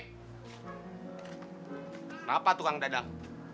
kenapa tukang dadang